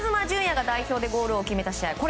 純也が代表でゴールを決めた試合